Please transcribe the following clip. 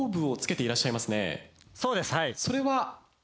そうですはい。